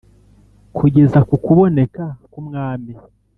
Kugeza ku kuboneka k umwami